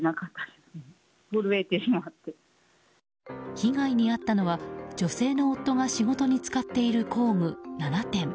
被害に遭ったのは女性の夫が仕事に使っている工具７点。